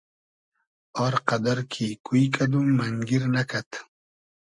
آر قئدئر کی کوی کئدوم مئنگیر نئکئد